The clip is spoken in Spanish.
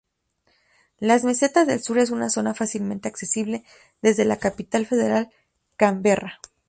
Las Mesetas del Sur es una zona fácilmente accesible desde la capital federal, Canberra.